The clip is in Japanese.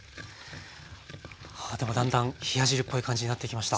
あでもだんだん冷や汁っぽい感じになってきました。